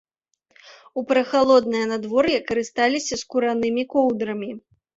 У прахалоднае надвор'е карысталіся скуранымі коўдрамі.